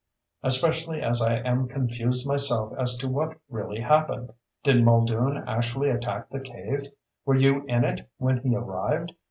Especially as I am confused myself as to what really happened. Did Muldoon actually attack the cave? Were you in it when he arrived?